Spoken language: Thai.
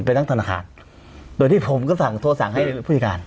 ไปตั้งธนาคารโดยที่ผมก็สั่งโทรสั่งให้ผู้จัดการ